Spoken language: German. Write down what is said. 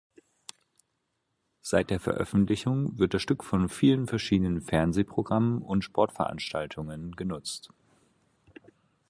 Seit der Veröffentlichung wird das Stück von vielen verschiedenen Fernsehprogrammen und Sportveranstaltungen genutzt.